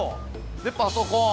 でパソコン。